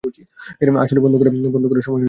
আসলে বন্ধ করার সময় হয়েছে।